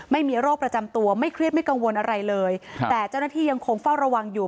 ไม่มีโรคประจำตัวไม่เครียดไม่กังวลอะไรเลยครับแต่เจ้าหน้าที่ยังคงเฝ้าระวังอยู่